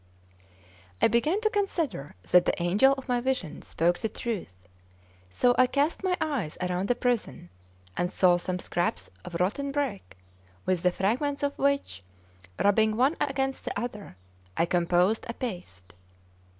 I began to consider that the angel of my vision spoke the truth. So I cast my eyes around the prison, and saw some scraps of rotten brick, with the fragments of which, rubbing one against the other, I composed a paste.